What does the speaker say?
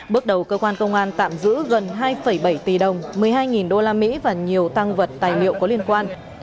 bước đầu cơ quan công an tạm giữ gần hai bảy tỷ đồng một mươi hai usd và nhiều tăng vật tài liệu có liên quan